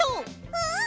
うん！